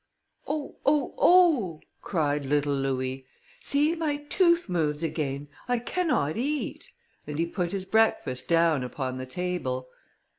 "Oh! Oh! Oh!" cried little Louis, "see, my tooth moves again, I cannot eat;" and he put his breakfast down upon the table.